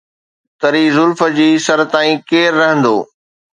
تري زلف جي سر تائين ڪير رهندو؟